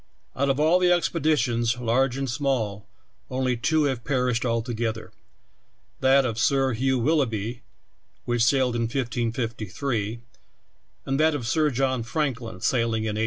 Out of all the expeditions, large and small, onl}^ two have perished altogether — that of Sir Hugh Willoughby, which sailed in 1553, and that of Sir John Franklin, sailing in 1845.